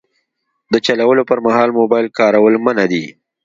د چلولو پر مهال موبایل کارول منع دي.